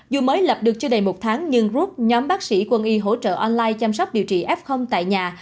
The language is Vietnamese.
dù mới lập được chưa đầy một tháng nhưng group nhóm bác sĩ quân y hỗ trợ online chăm sóc điều trị f tại nhà